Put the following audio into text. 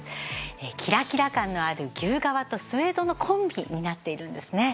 キラキラ感のある牛革とスエードのコンビになっているんですね。